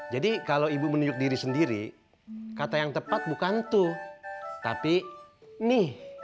jadi kalau ibu menunjuk diri sendiri kata yang tepat bukan itu tapi ini